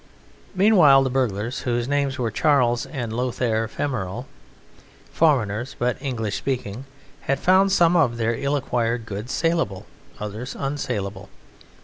Meanwhile the burglars, whose names were Charles and Lothair Femeral, foreigners but English speaking, had found some of their ill acquired goods saleable, others unsaleable.